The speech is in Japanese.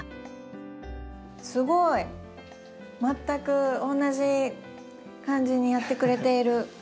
すごい！全く同じ感じにやってくれている。